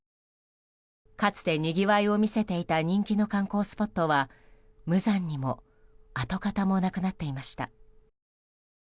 かつて、にぎわいを見せていた人気の観光スポットは無残にも跡形もなくなっていました。